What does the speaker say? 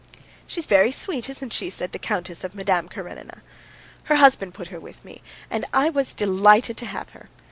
"She's very sweet, isn't she?" said the countess of Madame Karenina. "Her husband put her with me, and I was delighted to have her.